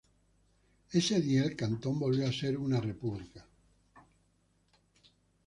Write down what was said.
Ese día el cantón volvió a ser una república.